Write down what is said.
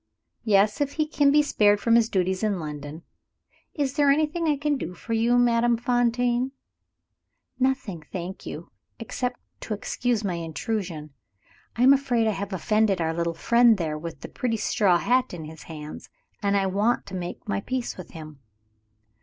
"Yes if he can be spared from his duties in London. Is there anything I can do for you, Madame Fontaine?" "Nothing, thank you except to excuse my intrusion. I am afraid I have offended our little friend there, with the pretty straw hat in his hand, and I want to make my peace with him."